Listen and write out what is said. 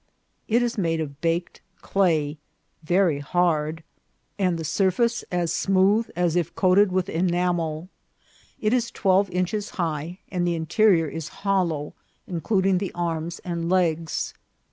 It is made of baked clay, very hard, VOL. II.— A A 186 INCIDENTS OF TRAVEL. and the surface as smooth as if coated with enamel. It is twelve inches high, and the interior is hollow, in cluding the arms and legs.